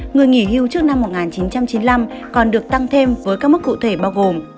người nghỉ hưu trước năm một nghìn chín trăm chín mươi năm còn được tăng thêm với các mức cụ thể bao gồm